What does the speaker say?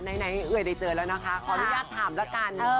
ไหนเอ่ยได้เจอแล้วนะคะขออนุญาตถามละกัน